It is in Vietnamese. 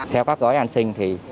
theo các gói an sinh thì